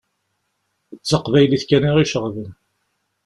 D taqbaylit kan i ɣ-iceɣben.